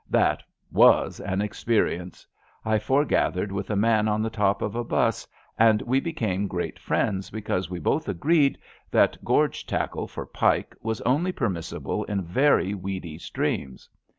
That was an experience,. I foregathered with a man on the top of a T3us, and we became great friends because we both agreed that gorge tackle for pike was only per missible in very weedy streams.